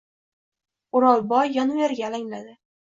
O’rolboy yon-veriga alangladi.